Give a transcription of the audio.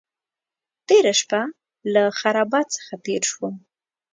تېره شپه له خرابات څخه تېر شوم.